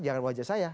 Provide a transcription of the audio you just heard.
jangan wajah saya